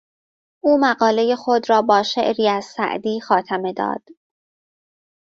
او مقالهی خود را با شعری از سعدی خاتمه داد.